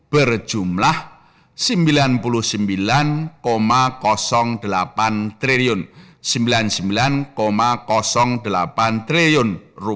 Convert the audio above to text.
berjumlah rp sembilan puluh sembilan delapan triliun